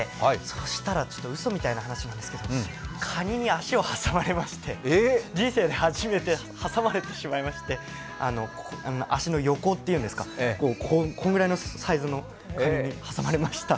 そしたら、うそみたいな話なんですけど、かにに足を挟まれてしまいまして人生で初めて挟まれてしまいまして、足の横っていうんですか、このぐらいのサイズのかにに挟まれました。